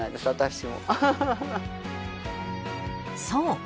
［そう。